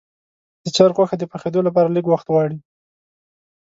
د چرګ غوښه د پخېدو لپاره لږ وخت غواړي.